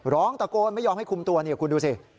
ร้องตะโกนไม่ยอมให้คุมตัวนี่คุณดูสิ